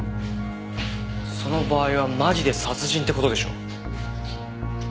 その場合はマジで殺人って事でしょ？